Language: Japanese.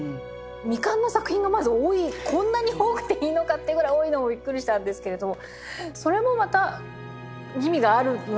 未完の作品がまず多いこんなに多くていいのかというぐらい多いのもびっくりしたんですけれどもそれもまた意味があるのかなって。